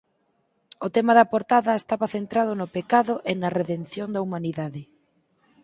O tema da portada estaba centrado no pecado e na redención da humanidade.